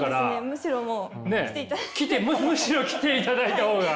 むしろもうむしろ来ていただいた方が。